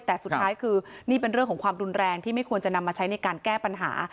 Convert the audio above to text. แต่สุดท้ายคือนี่เป็นเรื่องของความรุนแรงที่ไม่ควรจะนำมาใช้ในการแก้ปัญหา